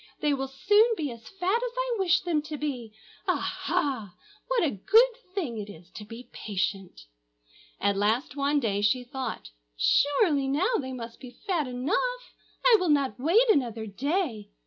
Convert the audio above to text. they will soon be as fat as I wish them to be. Aha! what a good thing it is to be patient." At last, one day she thought, "Surely, now they must be fat enough! I will not wait another day.